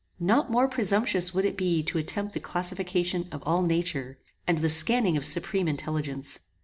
Not more presumptuous would it be to attempt the classification of all nature, and the scanning of supreme intelligence.